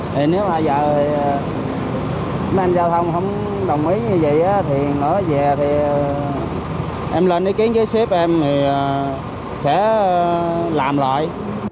thì nếu mà giờ thì mấy anh giao thông không đồng ý như vậy thì mở về thì em lên ý kiến với xếp em thì sẽ làm lại